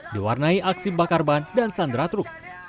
diwarnai aksi bakar ban dan sandera truk